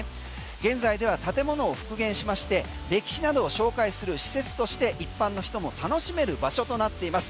現在では建物を復元しまして歴史などを紹介する施設として一般の人も楽しめる場所となっています。